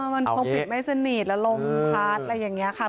มันคงปิดไม่สนิทแล้วลมพัดอะไรอย่างนี้ค่ะ